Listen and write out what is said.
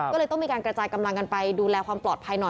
ก็เลยต้องมีการกระจายกำลังกันไปดูแลความปลอดภัยหน่อย